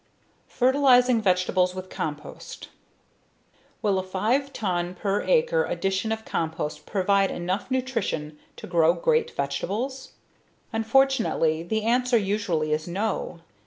Fertilizing Vegetables with Compost Will a five ton per acre addition of compost provide enough nutrition to grow great vegetables? Unfortunately, the answer usually is no.